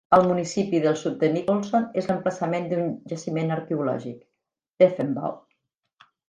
El municipi del sud de Nicholson és l'emplaçament d'un jaciment arqueològic, Deffenbaugh.